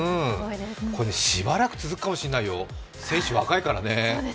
しばらく続くかもしれないよ、選手若いからね。